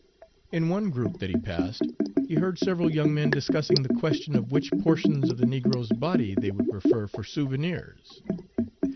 In one group that he passed he heard several young men discussing the question of which portions of the negro's body they would prefer for souvenirs.